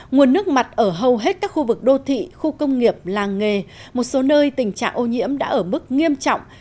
nguồn nước mặt ở hầu hết các khu vực đô thị khu công nghiệp làng nghề một số nơi tình trạng ô nhiễm đã ở mức nghiêm trọng